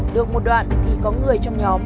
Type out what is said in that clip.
được một đoạn thì có người trong nhóm